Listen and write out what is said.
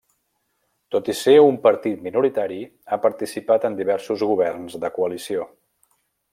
Tot i ser un partit minoritari, ha participat en diversos governs de coalició.